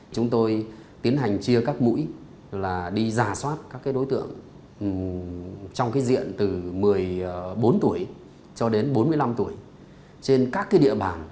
chúng tôi tiến hành chia các mũi là đi giả soát các đối tượng trong diện từ một mươi bốn tuổi cho đến bốn mươi năm tuổi trên các địa bàn